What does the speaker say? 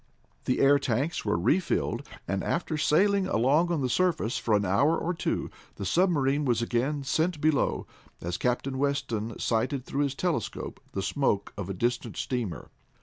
The air tanks were refilled, and after sailing along on the surface for an hour or two, the submarine was again sent below, as Captain Weston sighted through his telescope the smoke of a distant steamer.